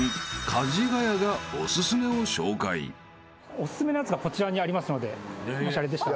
お薦めのやつがこちらにありますのでもしあれでしたら。